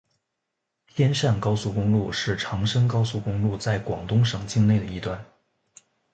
天汕高速公路是长深高速公路在广东省境内的一段。